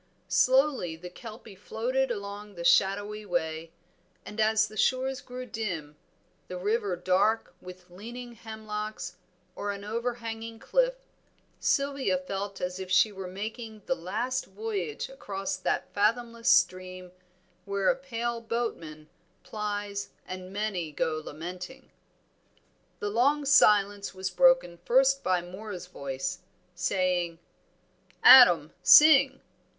Slowly the Kelpie floated along the shadowy way, and as the shores grew dim, the river dark with leaning hemlocks or an overhanging cliff, Sylvia felt as if she were making the last voyage across that fathomless stream where a pale boatman plies and many go lamenting. The long silence was broken first by Moor's voice, saying "Adam, sing."